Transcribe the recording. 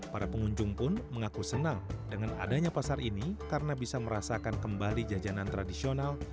para pengunjung pun mengaku senang dengan adanya pasar ini karena bisa merasakan kembali jajanan tradisional